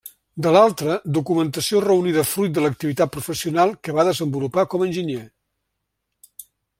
De l'altra, documentació reunida fruit de l'activitat professional que va desenvolupar com a enginyer.